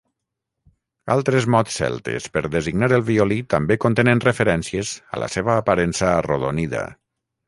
Altres mots celtes per designar el violí també contenen referències a la seva aparença arrodonida.